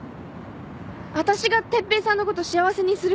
わたしが哲平さんのこと幸せにするから。